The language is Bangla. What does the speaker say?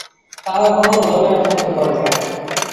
তাহারা কখনও ধনের আকাঙ্ক্ষা করে নাই।